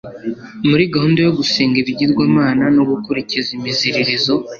muri gahunda yo gusenga ibigirwamana no gukurikiza imiziririzo.